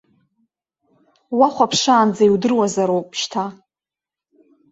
Уахәаԥшаанӡа иудыруазароуп шьҭа.